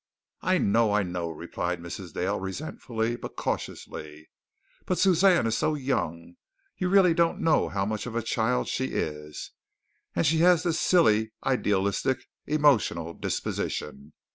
"I know, I know," replied Mrs. Dale resentfully, but cautiously, "but Suzanne is so young. You really don't know how much of a child she is. And she has this silly, idealistic, emotional disposition.